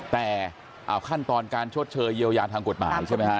แต่ขั้นตอนการชดเชยเยียวยาทางกฎหมายใช่ไหมฮะ